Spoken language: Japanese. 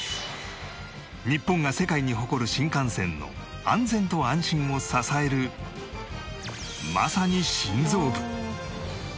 日本が世界に誇る新幹線の安全と安心を支えるまさに心臓部